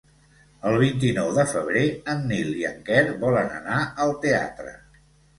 El vint-i-nou de febrer en Nil i en Quer volen anar al teatre.